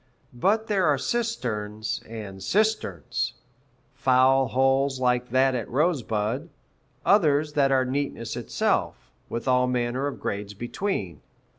But there are cisterns and cisterns foul holes like that at Rosebud, others that are neatness itself, with all manner of grades between.